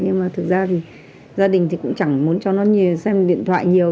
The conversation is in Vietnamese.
nhưng mà thực ra thì gia đình thì cũng chẳng muốn cho nó nhiều xem điện thoại nhiều